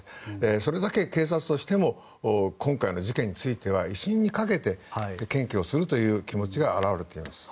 それだけ警察としても今回の事件については威信にかけて検挙するという気持ちが表れています。